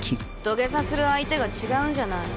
土下座する相手が違うんじゃない？